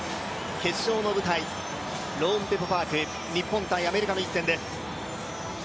決勝の舞台、ローンデポ・パーク日本×アメリカの一戦です。